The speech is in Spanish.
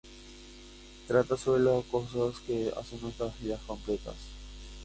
Trata sobre las cosas que hacen nuestras vidas completas.